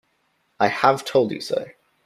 I have told you so.